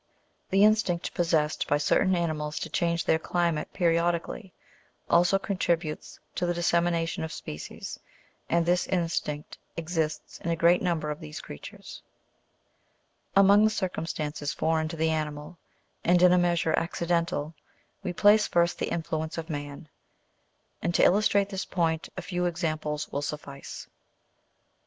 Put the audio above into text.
The instinct possessed by certain animals to change their climate periodically, also contributes to the dissemination of species ; and this instinct exists in a great number of these creatures. 106 GEOGRAPHICAL DISTRIBUTION Among the circumstances foreign to the animal, and in a mea sure accidental, we place first the influence of man ; and to illus trate this point, a few examples will suffice.